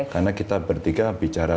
karena kita bertiga bicara